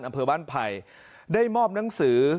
อำเภอบ้านไผ่ได้มอบหนังสือ